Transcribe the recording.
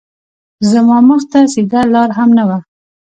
زما مخ ته سیده لار هم نه وه